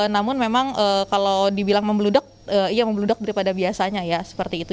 namun memang kalau dibilang membeludak ia membeludak daripada biasanya ya seperti itu